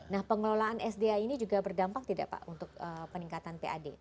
nah pengelolaan sda ini juga berdampak tidak pak untuk peningkatan pad